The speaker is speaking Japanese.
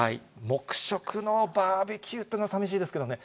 黙食のバーベキューっていうのは、さみしいですけどね。